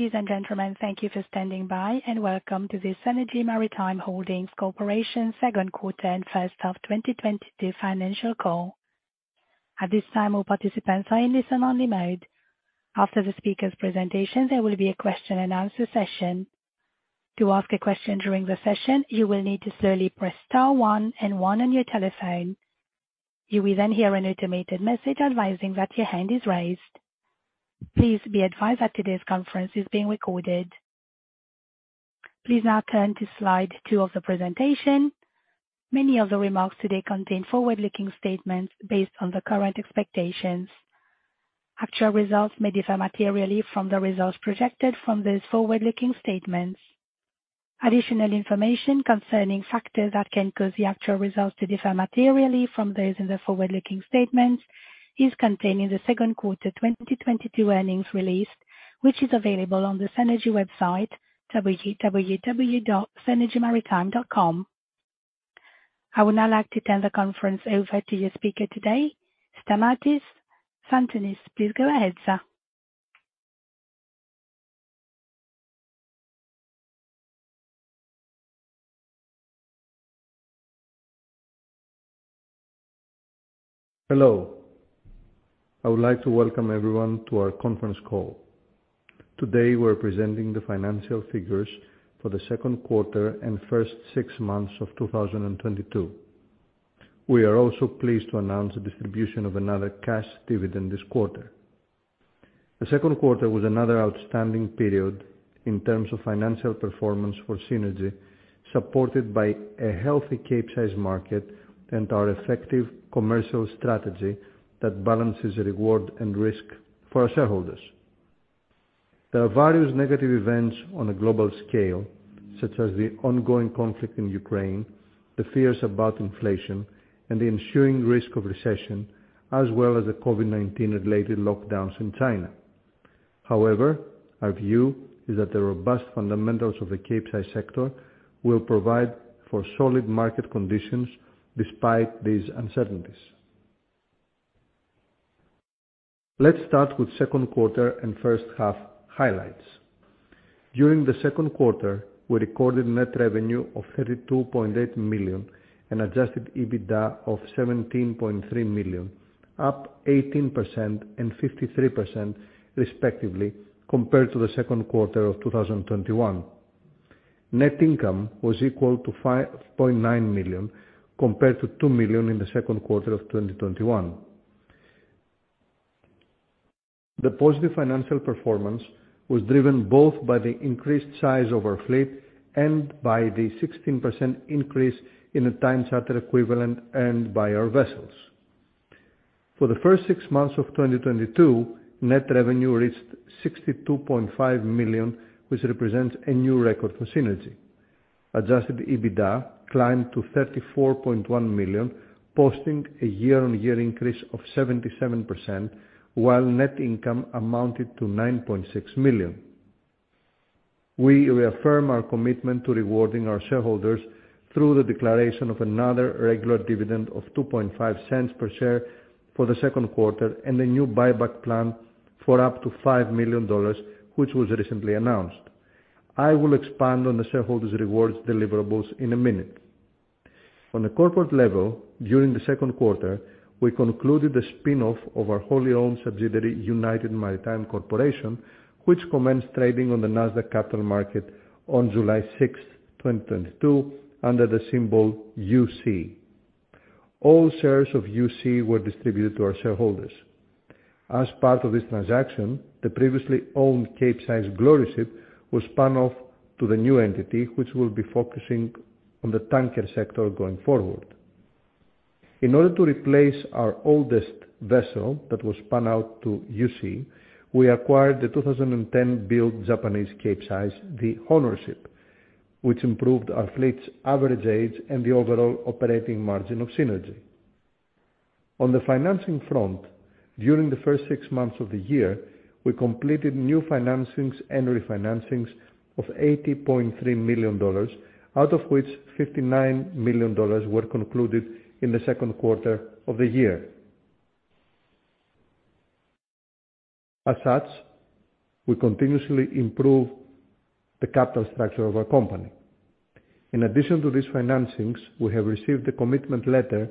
Ladies and gentlemen, thank you for standing by and welcome to the Seanergy Maritime Holdings Corp. Q2 and H1 of 2022 Financial Call. At this time, all participants are in listen-only mode. After the speaker's presentation, there will be a question and answer session. To ask a question during the session, you will need to slowly press star one and one on your telephone. You will then hear an automated message advising that your hand is raised. Please be advised that today's conference is being recorded. Please now turn to slide 2 of the presentation. Many of the remarks today contain forward-looking statements based on current expectations. Actual results may differ materially from the results projected from these forward-looking statements. Additional information concerning factors that can cause the actual results to differ materially from those in the forward-looking statements is contained in the Q2 2022 earnings release, which is available on the Seanergy website www.seanergymaritime.com. I would now like to turn the conference over to your speaker today, Stamatis Tsantanis. Please go ahead, sir. Hello. I would like to welcome everyone to our conference call. Today we're presenting the financial figures for the Q2 and first six months of 2022. We are also pleased to announce the distribution of another cash dividend this quarter. The Q2 was another outstanding period in terms of financial performance for Seanergy, supported by a healthy Capesize market and our effective commercial strategy that balances reward and risk for our shareholders. There are various negative events on a global scale, such as the ongoing conflict in Ukraine, the fears about inflation and the ensuing risk of recession, as well as the COVID-19 related lockdowns in China. However, our view is that the robust fundamentals of the Capesize sector will provide for solid market conditions despite these uncertainties. Let's start with Q2 and H1 highlights. During the Q2, we recorded net revenue of $32.8 million and adjusted EBITDA of $17.3 million, up 18% and 53% respectively compared to the Q2 of 2021. Net income was equal to $5.9 million compared to $2 million in the Q2 of 2021. The positive financial performance was driven both by the increased size of our fleet and by the 16% increase in the time charter equivalent earned by our vessels. For the first six months of 2022, net revenue reached $62.5 million, which represents a new record for Seanergy. Adjusted EBITDA climbed to $34.1 million, posting a year-on-year increase of 77%, while net income amounted to $9.6 million. We reaffirm our commitment to rewarding our shareholders through the declaration of another regular dividend of $0.025 per share for the Q2 and a new buyback plan for up to $5 million, which was recently announced. I will expand on the shareholders rewards deliverables in a minute. On a corporate level during the Q2, we concluded the spin-off of our wholly owned subsidiary, United Maritime Corporation, which commenced trading on the Nasdaq Capital Market on July 6, 2022 under the symbol USEA. All shares of USEA were distributed to our shareholders. As part of this transaction, the previously owned Capesize Gloriuship was spun off to the new entity, which will be focusing on the tanker sector going forward. In order to replace our oldest vessel that was spun out to USEA, we acquired the 2010-built Japanese Capesize, the Honorship, which improved our fleet's average age and the overall operating margin of Seanergy. On the financing front, during the first six months of the year, we completed new financings and refinancings of $80.3 million, out of which $59 million were concluded in the Q2 of the year. As such, we continuously improve the capital structure of our company. In addition to these financings, we have received a commitment letter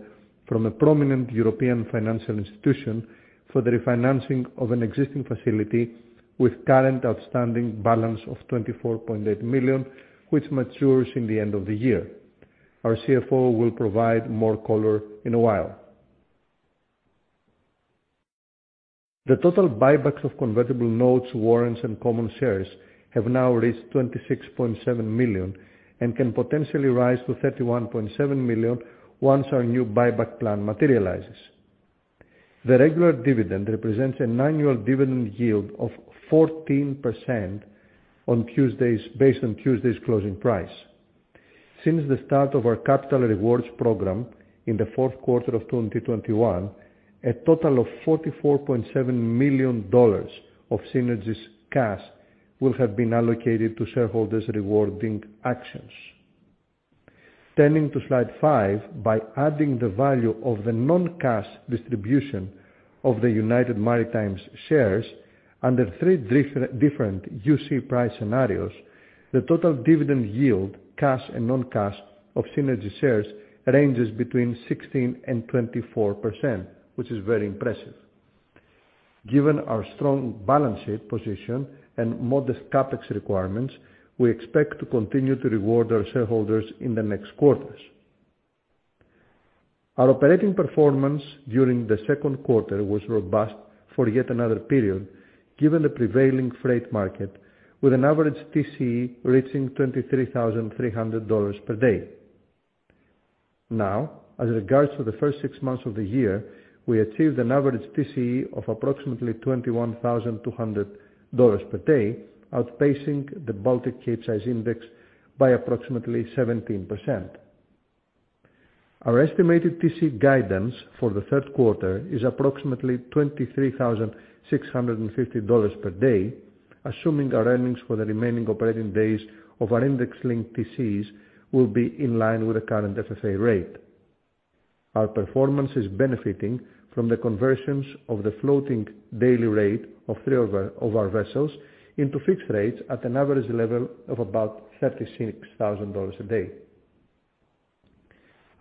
from a prominent European financial institution for the refinancing of an existing facility with current outstanding balance of $24.8 million, which matures at the end of the year. Our CFO will provide more color in a while. The total buybacks of convertible notes, warrants, and common shares have now reached $26.7 million and can potentially rise to $31.7 million once our new buyback plan materializes. The regular dividend represents an annual dividend yield of 14% based on Tuesday's closing price. Since the start of our capital rewards program in the Q4 of 2021, a total of $44.7 million of Seanergy's cash will have been allocated to shareholders rewarding actions. Turning to slide five, by adding the value of the non-cash distribution of the United Maritime shares under three different USEA price scenarios, the total dividend yield, cash and non-cash of Seanergy shares ranges between 16% and 24%, which is very impressive. Given our strong balance sheet position and modest CapEx requirements, we expect to continue to reward our shareholders in the next quarters. Our operating performance during the Q2 was robust for yet another period, given the prevailing freight market with an average TCE reaching $23,300 per day. Now, as regards to the first six months of the year, we achieved an average TCE of approximately $21,200 per day, outpacing the Baltic Capesize Index by approximately 17%. Our estimated TCE guidance for the Q3 is approximately $23,650 per day, assuming our earnings for the remaining operating days of our index-linked TCEs will be in line with the current FFA rate. Our performance is benefiting from the conversions of the floating daily rate of three of our vessels into fixed rates at an average level of about $36,000 a day.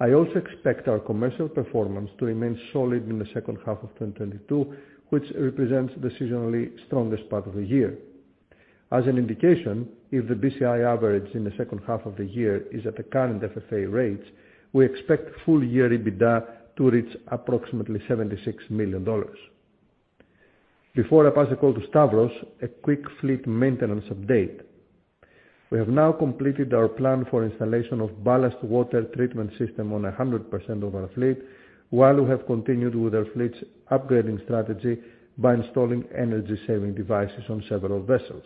I also expect our commercial performance to remain solid in the H2 of 2022, which represents the seasonally strongest part of the year. As an indication, if the BCI average in the H2 of the year is at the current FFA rates, we expect full-year EBITDA to reach approximately $76 million. Before I pass the call to Stavros, a quick fleet maintenance update. We have now completed our plan for installation of ballast water treatment system on 100% of our fleet, while we have continued with our fleet's upgrading strategy by installing energy-saving devices on several vessels.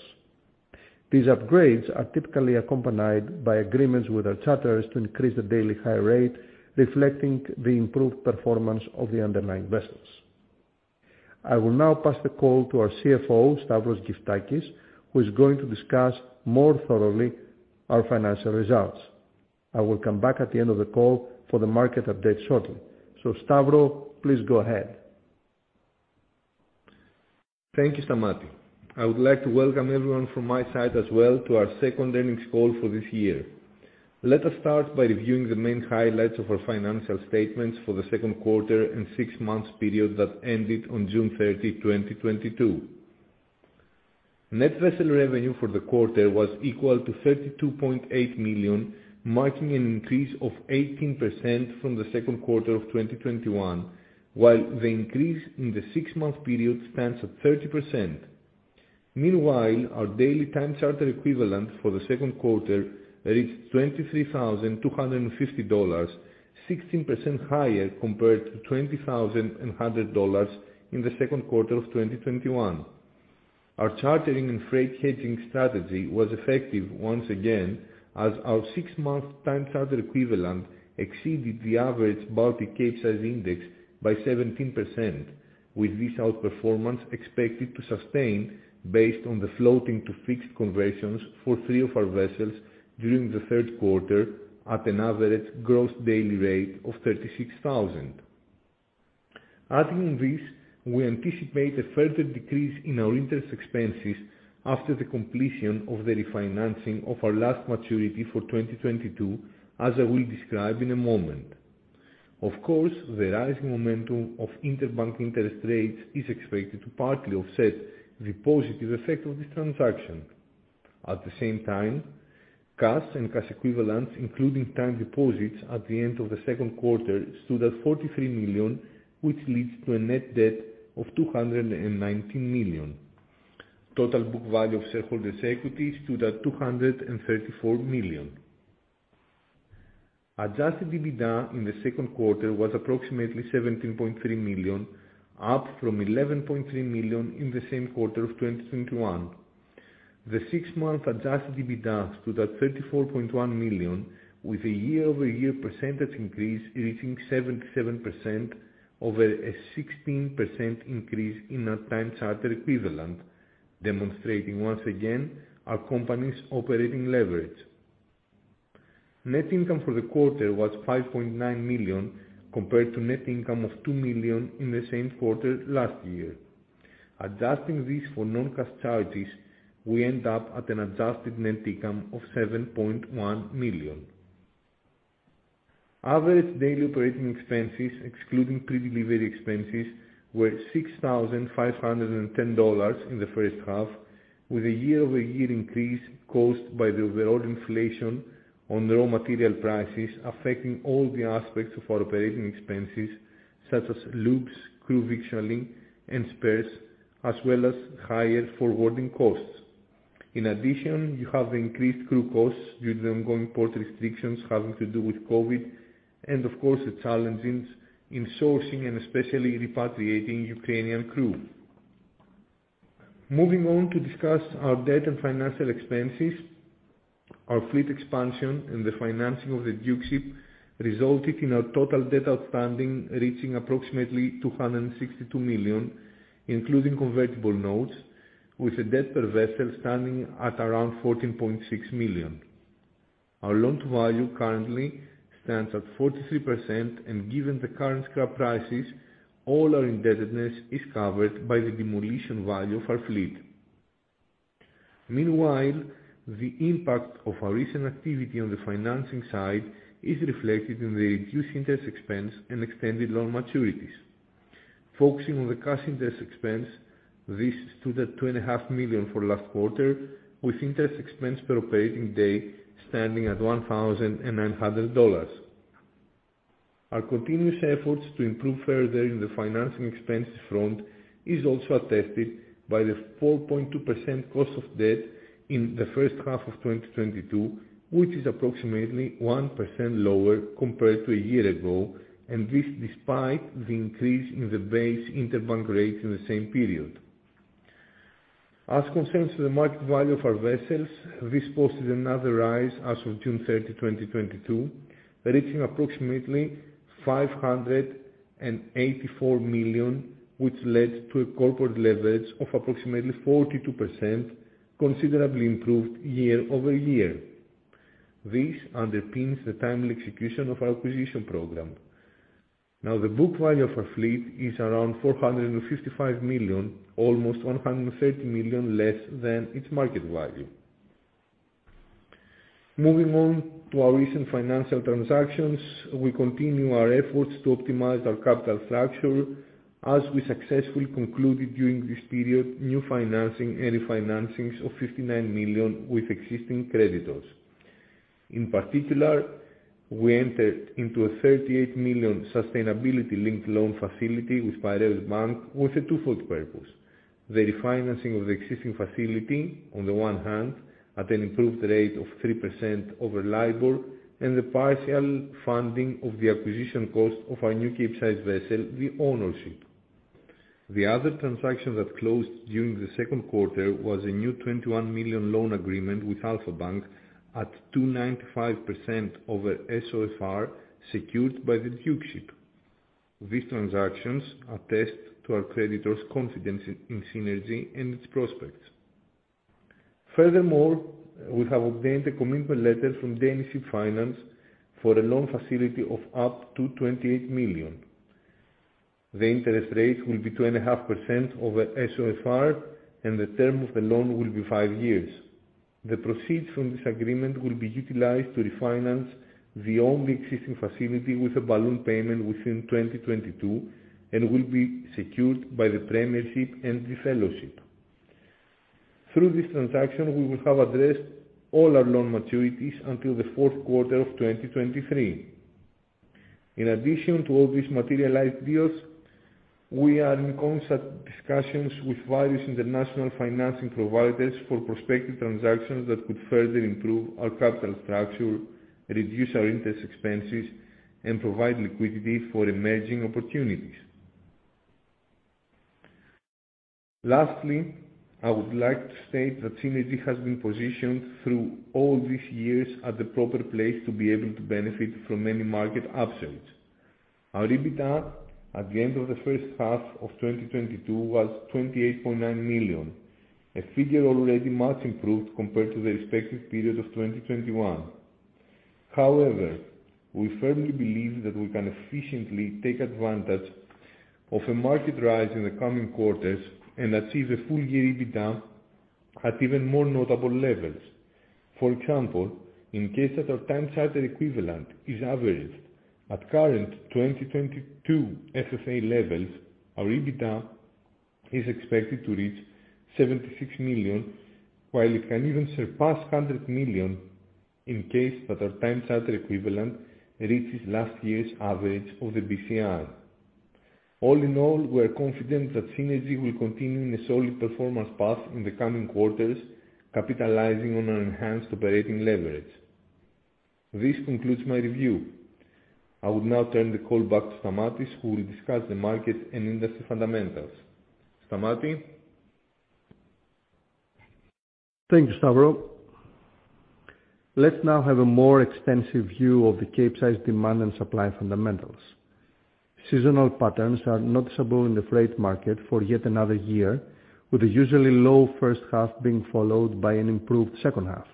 These upgrades are typically accompanied by agreements with our charterers to increase the daily hire rate, reflecting the improved performance of the underlying vessels. I will now pass the call to our CFO, Stavros Gyftakis, who is going to discuss more thoroughly our financial results. I will come back at the end of the call for the market update shortly. Stavros, please go ahead. Thank you, Stamatis. I would like to welcome everyone from my side as well to our second earnings call for this year. Let us start by reviewing the main highlights of our financial statements for the Q2 and six months period that ended on June 30, 2022. Net vessel revenue for the quarter was equal to $32.8 million, marking an increase of 18% from the Q2 of 2021, while the increase in the six-month period stands at 30%. Meanwhile, our daily time charter equivalent for the Q2 reached $23,250, 16% higher compared to $20,100 in the Q2 of 2021. Our chartering and freight hedging strategy was effective once again, as our six-month time charter equivalent exceeded the average Baltic Capesize Index by 17%, with this outperformance expected to sustain based on the floating-to-fixed conversions for three of our vessels during the Q3 at an average gross daily rate of $36,000. Adding on this, we anticipate a further decrease in our interest expenses after the completion of the refinancing of our last maturity for 2022, as I will describe in a moment. Of course, the rising momentum of interbank interest rates is expected to partly offset the positive effect of this transaction. At the same time, cash and cash equivalents, including time deposits at the end of the Q2, stood at $43 million, which leads to a net debt of $219 million. Total book value of shareholders' equity stood at $234 million. Adjusted EBITDA in the Q2 was approximately $17.3 million, up from $11.3 million in the same quarter of 2021. The six-month adjusted EBITDA stood at $34.1 million, with a year-over-year percentage increase reaching 77% over a 16% increase in our time charter equivalent, demonstrating once again our company's operating leverage. Net income for the quarter was $5.9 million, compared to net income of $2 million in the same quarter last year. Adjusting this for non-cash charges, we end up at an adjusted net income of $7.1 million. Average daily operating expenses, excluding pre-delivery expenses, were $6,510 in the H1, with a year-over-year increase caused by the overall inflation on raw material prices affecting all the aspects of our operating expenses, such as lubes, crew victualling, and spares, as well as higher forwarding costs. In addition, you have the increased crew costs due to the ongoing port restrictions having to do with COVID, and of course, the challenges in sourcing and especially repatriating Ukrainian crew. Moving on to discuss our debt and financial expenses, our fleet expansion and the financing of the Dukeship resulted in our total debt outstanding reaching approximately $262 million, including convertible notes with a debt per vessel standing at around $14.6 million. Our loan-to-value currently stands at 43%, and given the current scrap prices, all our indebtedness is covered by the demolition value of our fleet. Meanwhile, the impact of our recent activity on the financing side is reflected in the reduced interest expense and extended loan maturities. Focusing on the cash interest expense, this stood at $2.5 million for last quarter, with interest expense per operating day standing at $1,900. Our continuous efforts to improve further in the financing expenses front is also attested by the 4.2% cost of debt in the H1 of 2022, which is approximately 1% lower compared to a year ago, and this despite the increase in the base interbank rate in the same period. As concerns the market value of our vessels, this posted another rise as of June 30, 2022, reaching approximately $584 million, which led to a corporate leverage of approximately 42%, considerably improved year-over-year. This underpins the timely execution of our acquisition program. Now, the book value of our fleet is around $455 million, almost $130 million less than its market value. Moving on to our recent financial transactions, we continue our efforts to optimize our capital structure as we successfully concluded during this period new financing and refinancings of $59 million with existing creditors. In particular, we entered into a $38 million sustainability-linked loan facility with Piraeus Bank with a twofold purpose. The refinancing of the existing facility, on the one hand, at an improved rate of 3% over LIBOR, and the partial funding of the acquisition cost of our new Capesize vessel, the Honorship. The other transaction that closed during the Q2 was a new $21 million loan agreement with Alpha Bank at 2.95% over SOFR, secured by the Dukeship. These transactions attest to our creditors' confidence in Seanergy and its prospects. Furthermore, we have obtained a commitment letter from Danish Ship Finance for a loan facility of up to $28 million. The interest rate will be 2.5% over SOFR, and the term of the loan will be five years. The proceeds from this agreement will be utilized to refinance the only existing facility with a balloon payment within 2022 and will be secured by the Premiership and the Fellowship. Through this transaction, we will have addressed all our loan maturities until the Q4 of 2023. In addition to all these materialized deals, we are in constant discussions with various international financing providers for prospective transactions that could further improve our capital structure, reduce our interest expenses, and provide liquidity for emerging opportunities. Lastly, I would like to state that Seanergy has been positioned through all these years at the proper place to be able to benefit from any market upsides. Our EBITDA at the end of the H1 of 2022 was $28.9 million, a figure already much improved compared to the respective period of 2021. However, we firmly believe that we can efficiently take advantage of a market rise in the coming quarters and achieve a full-year EBITDA at even more notable levels. For example, in case that our time charter equivalent is averaged at current 2022 FFA levels, our EBITDA is expected to reach $76 million, while it can even surpass $100 million in case that our time charter equivalent reaches last year's average of the BCI. All in all, we are confident that Seanergy will continue in a solid performance path in the coming quarters, capitalizing on an enhanced operating leverage. This concludes my review. I would now turn the call back to Stamatis, who will discuss the market and industry fundamentals. Stamatis. Thank you, Stavros. Let's now have a more extensive view of the Capesize demand and supply fundamentals. Seasonal patterns are noticeable in the freight market for yet another year, with the usually low H1 being followed by an improved H2.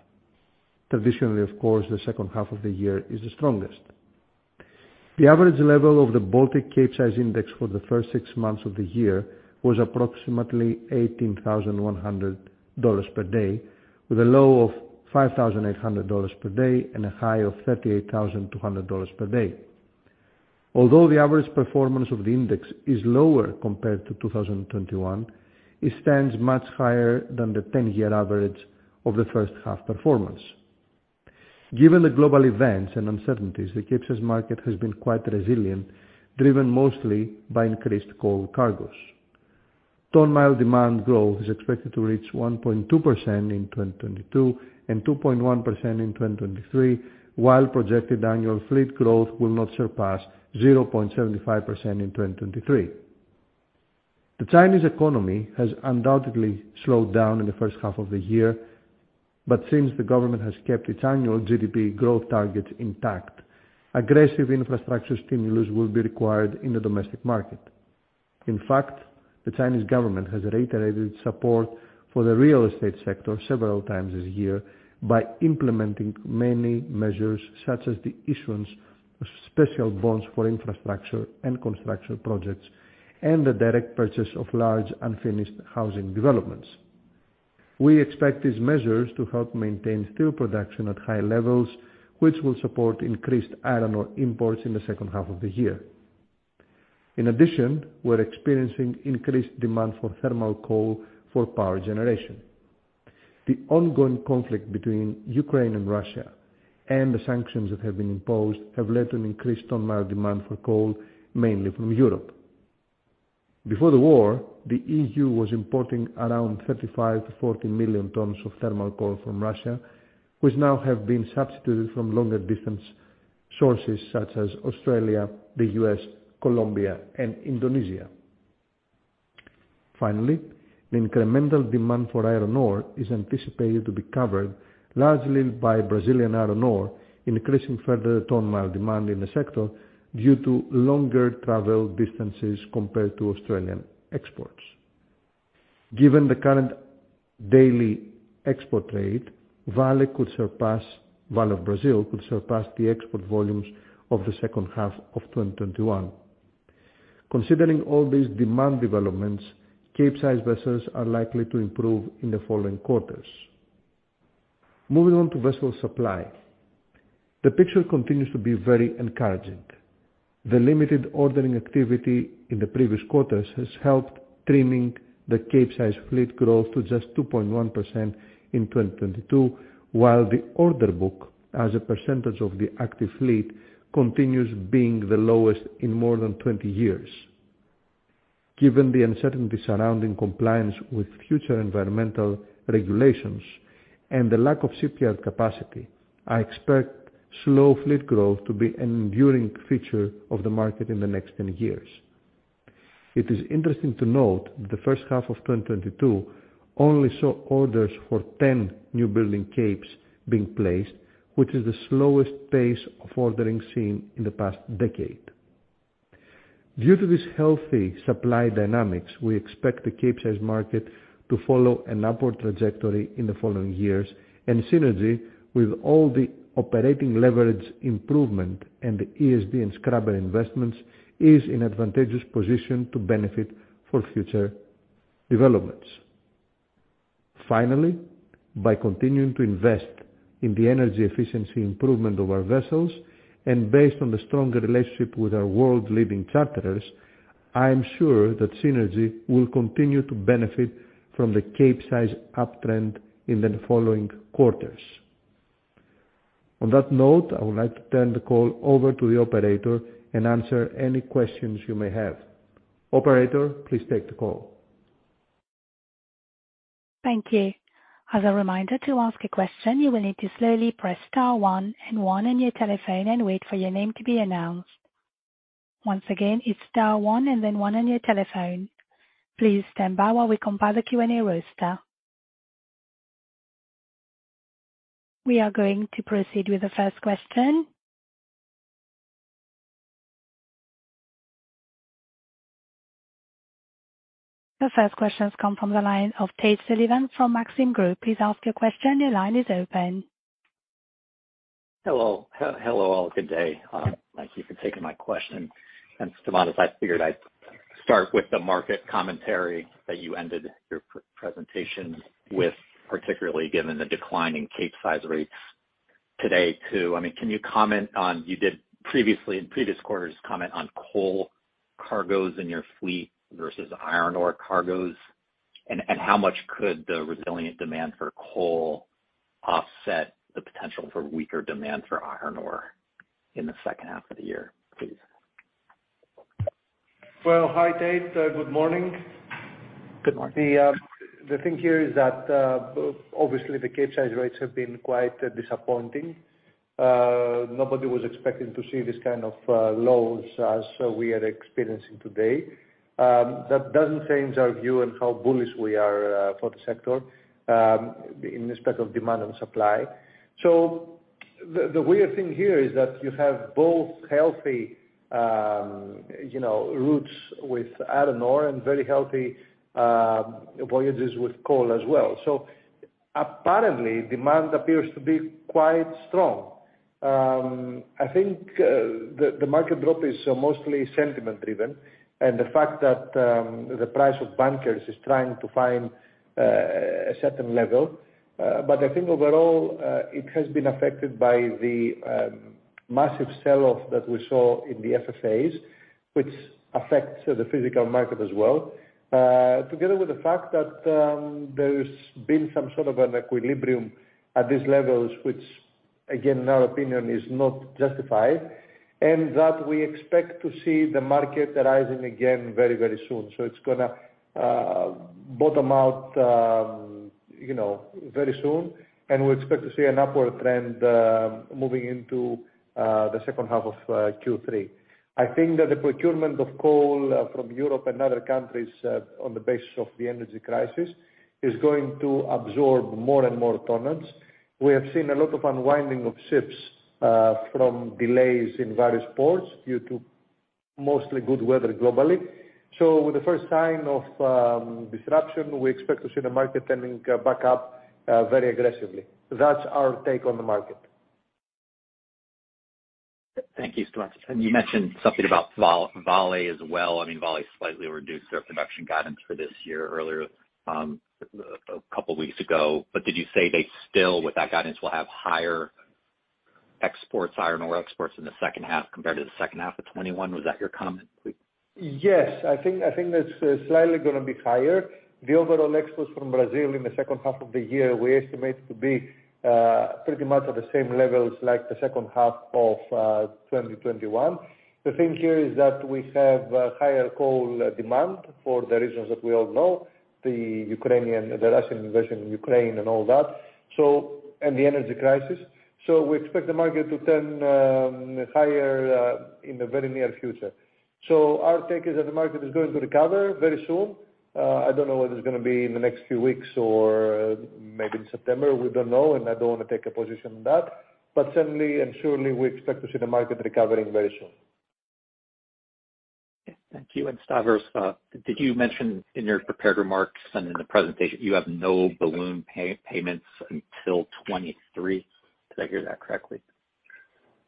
Traditionally, of course, the H2 of the year is the strongest. The average level of the Baltic Capesize Index for the first six months of the year was approximately $18,100 per day, with a low of $5,800 per day and a high of $38,200 per day. Although the average performance of the index is lower compared to 2021, it stands much higher than the 10-year average of the H1 performance. Given the global events and uncertainties, the Capesize market has been quite resilient, driven mostly by increased coal cargos. Ton-mile demand growth is expected to reach 1.2% in 2022 and 2.1% in 2023, while projected annual fleet growth will not surpass 0.75% in 2023. The Chinese economy has undoubtedly slowed down in the H1 of the year, but since the government has kept its annual GDP growth target intact, aggressive infrastructure stimulus will be required in the domestic market. In fact, the Chinese government has reiterated support for the real estate sector several times this year by implementing many measures, such as the issuance of special bonds for infrastructure and construction projects, and the direct purchase of large unfinished housing developments. We expect these measures to help maintain steel production at high levels, which will support increased iron ore imports in the H2 of the year. In addition, we're experiencing increased demand for thermal coal for power generation. The ongoing conflict between Ukraine and Russia and the sanctions that have been imposed have led to an increased ton-mile demand for coal, mainly from Europe. Before the war, the EU was importing around 35 million to 40 million tons of thermal coal from Russia, which now have been substituted from longer distance sources such as Australia, the U.S., Colombia and Indonesia. Finally, the incremental demand for iron ore is anticipated to be covered largely by Brazilian iron ore, increasing further the ton-mile demand in the sector due to longer travel distances compared to Australian exports. Given the current daily export rate, Vale could surpass the export volumes of the H2 of 2021. Considering all these demand developments, Capesize vessels are likely to improve in the following quarters. Moving on to vessel supply. The picture continues to be very encouraging. The limited ordering activity in the previous quarters has helped trimming the Capesize fleet growth to just 2.1% in 2022, while the order book as a percentage of the active fleet continues being the lowest in more than 20 years. Given the uncertainty surrounding compliance with future environmental regulations and the lack of shipyard capacity, I expect slow fleet growth to be an enduring feature of the market in the next ten years. It is interesting to note that the H1 of 2022 only saw orders for 10 newbuilding Capes being placed, which is the slowest pace of ordering seen in the past decade. Due to this healthy supply dynamics, we expect the Capesize market to follow an upward trajectory in the following years, and Seanergy, with all the operating leverage improvement and the [ease] and scrubber investments, is in advantageous position to benefit for future developments. Finally, by continuing to invest in the energy efficiency improvement of our vessels and based on the stronger relationship with our world-leading charterers, I am sure that Seanergy will continue to benefit from the Capesize uptrend in the following quarters. On that note, I would like to turn the call over to the operator and answer any questions you may have. Operator, please take the call. Thank you. As a reminder, to ask a question, you will need to slowly press star one and one on your telephone and wait for your name to be announced. Once again, it's star one and then one on your telephone. Please stand by while we compile the Q&A roster. We are going to proceed with the first question. The first question has come from the line of Tate Sullivan from Maxim Group. Please ask your question. Your line is open. Hello, all. Good day. Thank you for taking my question. Stamatis, I figured I'd start with the market commentary that you ended your presentation with, particularly given the decline in Capesize rates today too. I mean, can you comment on, you did previously in previous quarters comment on coal cargos in your fleet versus iron ore cargos, and how much could the resilient demand for coal offset the potential for weaker demand for iron ore in the H2 of the year, please? Well, hi, Tate. Good morning. Good morning. The thing here is that obviously the Capesize rates have been quite disappointing. Nobody was expecting to see this kind of lows as we are experiencing today. That doesn't change our view on how bullish we are for the sector in respect of demand and supply. The weird thing here is that you have both healthy you know routes with iron ore and very healthy voyages with coal as well. Apparently demand appears to be quite strong. I think the market drop is mostly sentiment driven and the fact that the price of bunkers is trying to find a certain level. I think overall, it has been affected by the massive sell-off that we saw in the FFAs, which affects the physical market as well, together with the fact that, there's been some sort of an equilibrium at these levels, which again, in our opinion, is not justified, and that we expect to see the market rising again very, very soon. It's gonna bottom out. You know, very soon, we expect to see an upward trend moving into the H2 of Q3. I think that the procurement of coal from Europe and other countries on the basis of the energy crisis is going to absorb more and more tonnage. We have seen a lot of unwinding of ships from delays in various ports due to mostly good weather globally. With the first sign of disruption, we expect to see the market turning back up very aggressively. That's our take on the market. Thank you, Stamatis. You mentioned something about Vale as well. I mean, Vale slightly reduced their production guidance for this year earlier, a couple weeks ago. Did you say they still, with that guidance, will have higher exports, iron ore exports in the H2 compared to the H2 of 2021? Was that your comment, please? Yes. I think that's slightly gonna be higher. The overall exports from Brazil in the H2 of the year, we estimate to be pretty much at the same levels like the H2 of 2021. The thing here is that we have a higher coal demand for the reasons that we all know, the Ukrainian, the Russian invasion in Ukraine and all that, and the energy crisis. We expect the market to turn higher in the very near future. Our take is that the market is going to recover very soon. I don't know whether it's gonna be in the next few weeks or maybe in September. We don't know, and I don't want to take a position on that. Certainly and surely we expect to see the market recovering very soon. Thank you. Stavros, did you mention in your prepared remarks and in the presentation you have no balloon payments until 2023? Did I hear that correctly?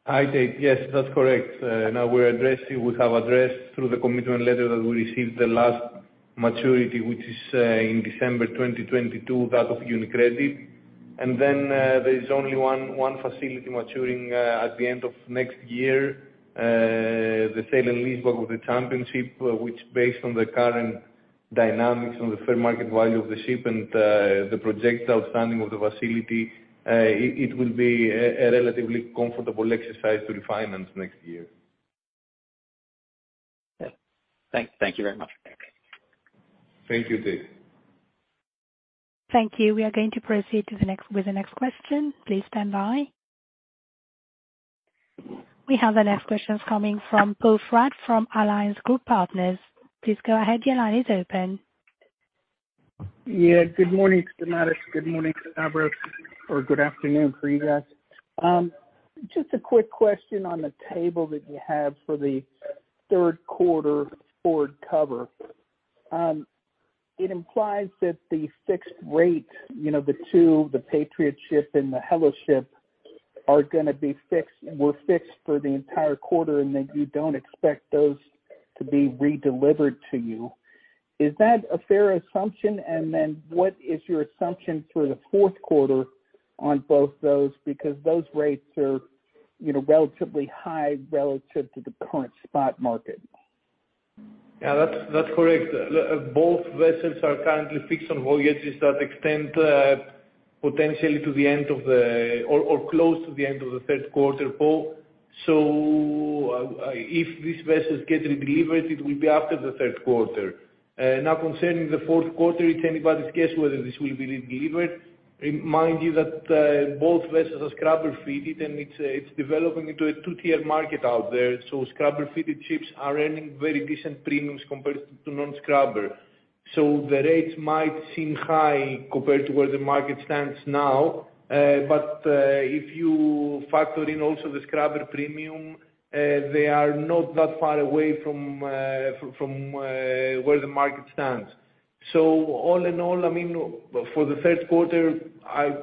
Hi, Tate Sullivan. Yes, that's correct. Now we have addressed through the commitment letter that we received the last maturity, which is in December 2022, that of UniCredit. Then, there is only one facility maturing at the end of next year, the sale and leaseback of the Championship, which based on the current dynamics on the fair market value of the ship and the projected outstanding of the facility, it will be a relatively comfortable exercise to refinance next year. Yeah. Thank you very much. Thank you, Tate Sullivan. Thank you. We are going to proceed with the next question. Please stand by. We have the next questions coming from Poe Fratt from Alliance Global Partners. Please go ahead. Your line is open. Yeah, good morning, Stamatis. Good morning, Stavros, or good afternoon for you guys. Just a quick question on the table that you have for the Q3 forward cover. It implies that the fixed rate, you know, the two, the Patriotship and the Hellasship are gonna be fixed, were fixed for the entire quarter, and that you don't expect those to be redelivered to you. Is that a fair assumption? What is your assumption for the Q4 on both those? Because those rates are, you know, relatively high relative to the current spot market. Yeah, that's correct. Both vessels are currently fixed on voyages that extend potentially to the end of the Q3 or close to the end of the Q3, Poe Fratt. If these vessels get redelivered, it will be after the Q3. Now, concerning the Q4, it's anybody's guess whether this will be redelivered. Remind you that both vessels are scrubber fitted, and it's developing into a two-tier market out there. Scrubber-fitted ships are earning very decent premiums compared to non-scrubber. The rates might seem high compared to where the market stands now. But if you factor in also the scrubber premium, they are not that far away from where the market stands. All in all, I mean, for the Q3, I,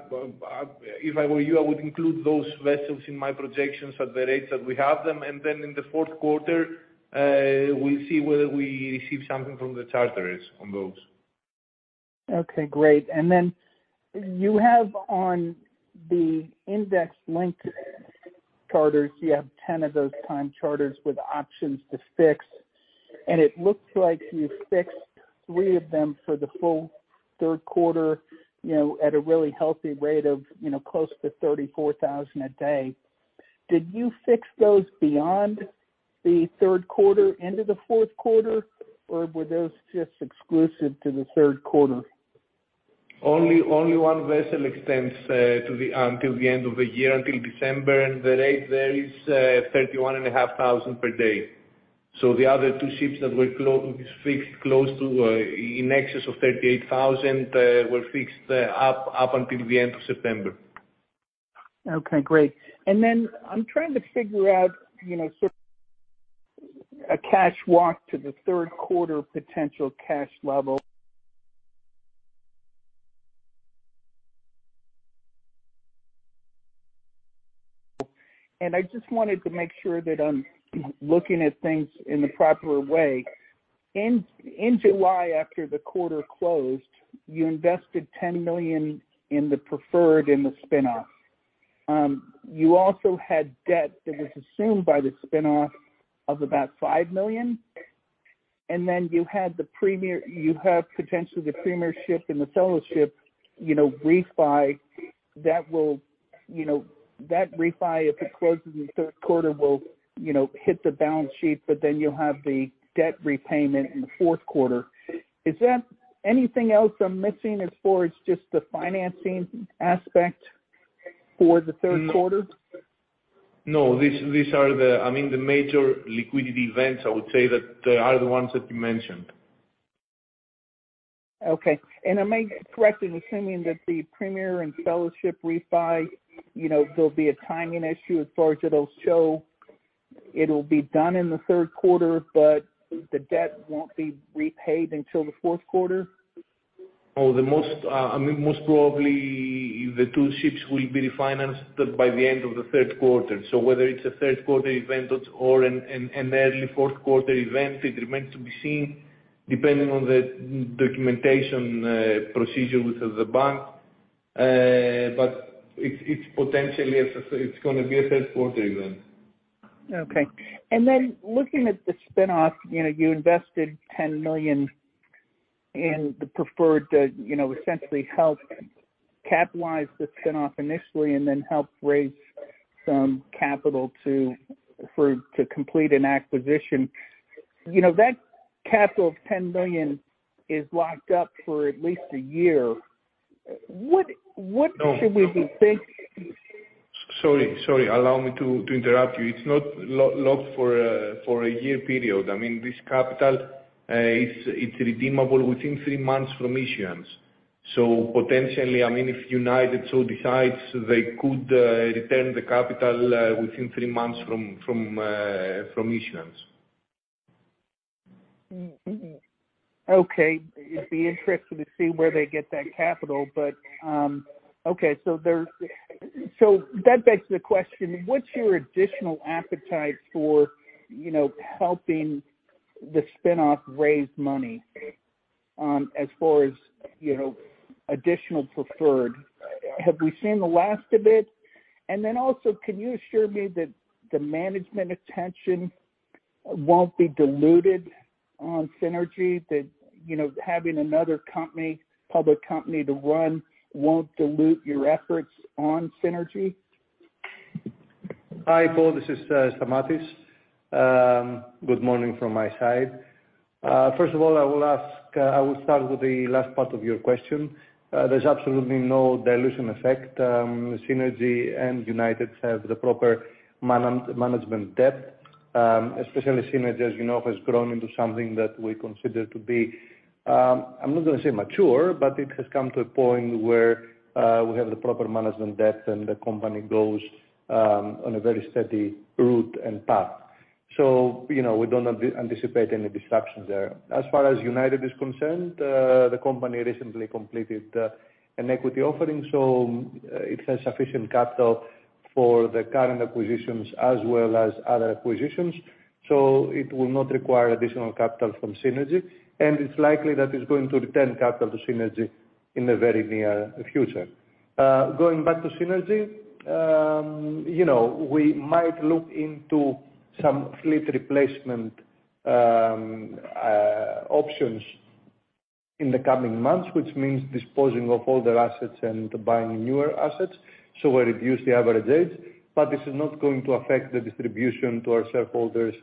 if I were you, I would include those vessels in my projections at the rates that we have them. Then in the Q4, we'll see whether we receive something from the charterers on those. Okay, great. Then you have on the index-linked charters, you have 10 of those time charters with options to fix. It looks like you fixed three of them for the full Q3, you know, at a really healthy rate of, you know, close to $34,000 a day. Did you fix those beyond the Q3 into the Q4, or were those just exclusive to the Q3? Only one vessel extends to until the end of the year, until December. The rate there is $31,500 per day. The other two ships that were fixed close to in excess of $38,000 were fixed up until the end of September. Okay, great. Then I'm trying to figure out, you know, sort of a cash walk to the Q3 potential cash level. I just wanted to make sure that I'm looking at things in the proper way. In July, after the quarter closed, you invested $10 million in the preferred in the spin-off. You also had debt that was assumed by the spin-off of about $5 million. Then you had the Premiership and the Fellowship, you know, refi that refi, if it closes in the Q3, will, you know, hit the balance sheet, but then you'll have the debt repayment in the Q4. Is there anything else I'm missing as far as just the financing aspect for the Q3? No, these are the, I mean, the major liquidity events, I would say, that are the ones that you mentioned. Am I correct in assuming that the Premiership and Fellowship refi, you know, there'll be a timing issue as far as it'll show it'll be done in the Q3, but the debt won't be repaid until the Q4? I mean, most probably the two ships will be refinanced by the end of the Q3. Whether it's a Q3 event or an early Q4 event, it remains to be seen depending on the documentation procedure with the bank. It's potentially a, it's gonna be a Q3 event. Okay. Looking at the spin-off, you know, you invested $10 million in the preferred, you know, essentially helped capitalize the spin-off initially and then helped raise some capital to complete an acquisition. You know, that capital of $10 million is locked up for at least a year. What should we be think- Sorry. Allow me to interrupt you. It's not locked for a year period. I mean, this capital is redeemable within three months from issuance. Potentially, I mean, if United so decides, they could return the capital within three months from issuance. Okay. It'd be interesting to see where they get that capital, but, okay. That begs the question, what's your additional appetite for, you know, helping the spin-off raise money, as far as, you know, additional preferred? Have we seen the last of it? Can you assure me that the management attention won't be diluted on Seanergy? That, you know, having another company, public company to run won't dilute your efforts on Seanergy? Hi, Poe Fratt, this is Stamatis. Good morning from my side. First of all, I will start with the last part of your question. There's absolutely no dilution effect. Seanergy and United have the proper management depth. Especially Seanergy, as you know, has grown into something that we consider to be, I'm not gonna say mature, but it has come to a point where we have the proper management depth and the company goes on a very steady route and path. You know, we don't anticipate any disruptions there. As far as United is concerned, the company recently completed an equity offering, so it has sufficient capital for the current acquisitions as well as other acquisitions, so it will not require additional capital from Seanergy, and it's likely that it's going to return capital to Seanergy in the very near future. Going back to Seanergy, you know, we might look into some fleet replacement options in the coming months, which means disposing of older assets and buying newer assets, so we'll reduce the average age, but this is not going to affect the distribution to our shareholders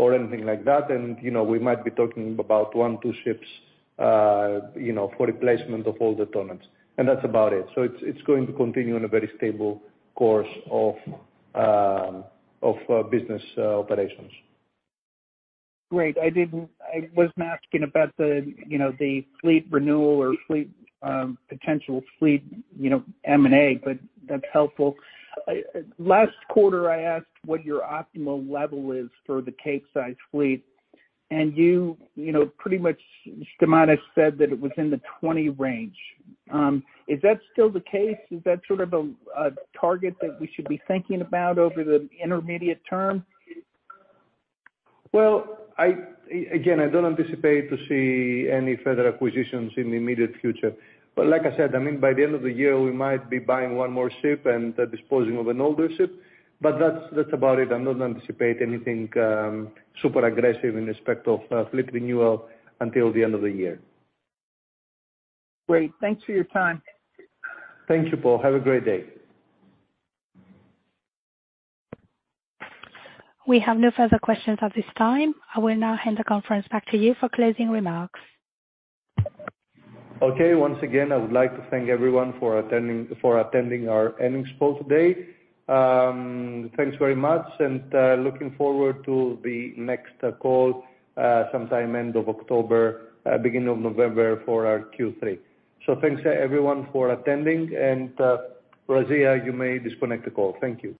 or anything like that. You know, we might be talking about one, two ships, you know, for replacement of older tonnages, and that's about it. It's going to continue on a very stable course of business operations. Great. I wasn't asking about the, you know, the fleet renewal or fleet potential fleet, you know, M&A, but that's helpful. Last quarter, I asked what your optimal level is for the Capesize fleet, and you know, pretty much, Stamatis said that it was in the 20 range. Is that still the case? Is that sort of a target that we should be thinking about over the intermediate term? Well, I don't anticipate to see any further acquisitions in the immediate future. Like I said, I mean, by the end of the year, we might be buying one more ship and disposing of an older ship, but that's about it. I don't anticipate anything super aggressive in respect of fleet renewal until the end of the year. Great. Thanks for your time. Thank you, Poe Fratt. Have a great day. We have no further questions at this time. I will now hand the conference back to you for closing remarks. Okay. Once again, I would like to thank everyone for attending our earnings call today. Thanks very much, and looking forward to the next call sometime end of October, beginning of November for our Q3. Thanks everyone for attending and [Razia], you may disconnect the call. Thank you.